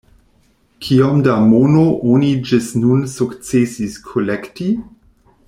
Kiom da mono oni ĝis nun sukcesis kolekti?